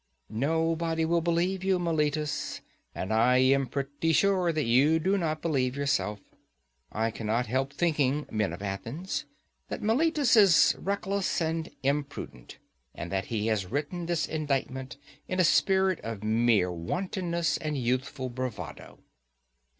Nobody will believe you, Meletus, and I am pretty sure that you do not believe yourself. I cannot help thinking, men of Athens, that Meletus is reckless and impudent, and that he has written this indictment in a spirit of mere wantonness and youthful bravado.